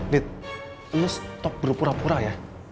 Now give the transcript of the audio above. dit lo stop berpura pura ya